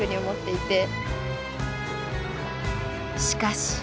しかし。